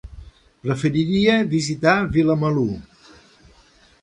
Preferiria visitar Vilamalur.